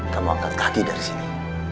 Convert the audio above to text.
kamu angkat kaki dari sini